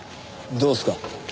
どうですか？